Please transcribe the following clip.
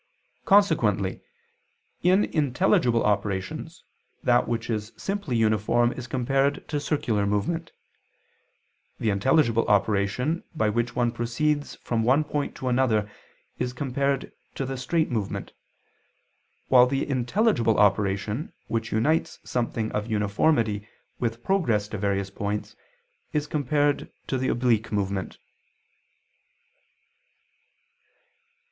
Consequently, in intelligible operations, that which is simply uniform is compared to circular movement; the intelligible operation by which one proceeds from one point to another is compared to the straight movement; while the intelligible operation which unites something of uniformity with progress to various points is compared to the oblique movement.